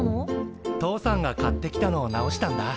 父さんが買ってきたのを直したんだ。